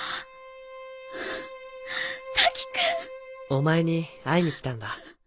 お前に会いに来たんだ。